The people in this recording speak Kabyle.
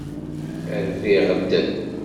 Rbiɣ-d.